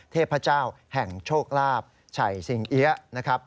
เทพเจ้าแห่งโชคลาภชัยสิงเอี๊ยะนะครับ